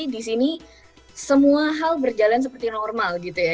di sini semua hal berjalan seperti normal gitu ya